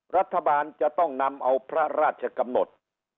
รัฐบาลจะต้องนำเอาพระราชกำหนด